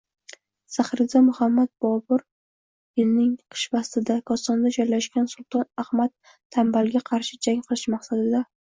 . Zahiriddin Bobur yilning qish faslida, Kosonda joylashgan Sulton Ahmad Tanbalga qarshi jang qilish maqsadida